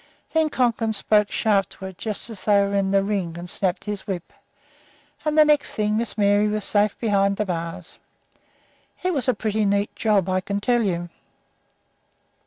Then Conklin spoke sharp to her, just as if they were in the ring, and snapped his whip, and the next thing Miss Mary was safe behind the bars. It was a pretty neat job, I can tell you."